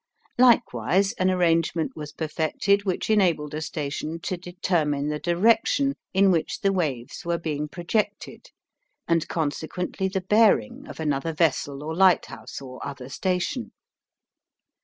Likewise an arrangement was perfected which enabled a station to determine the direction in which the waves were being projected and consequently the bearing of another vessel or lighthouse or other station.